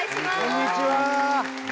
こんにちは。